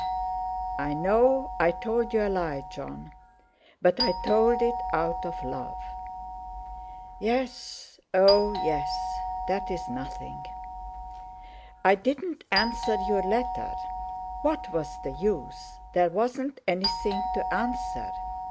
"I know I told you a lie, Jon. But I told it out of love." "Yes, oh! yes! That's nothing!" "I didn't answer your letter. What was the use—there wasn't anything to answer.